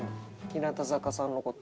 日向坂さんの事を。